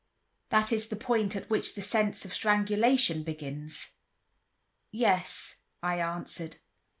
That is the point at which the sense of strangulation begins?" "Yes," I answered.